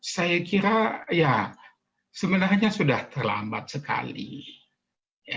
saya kira ya sebenarnya sudah terlambat sekali